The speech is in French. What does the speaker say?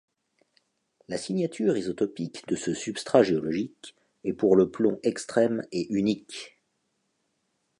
La signature isotopique de ce substrat géologique est pour le plomb extrême et unique.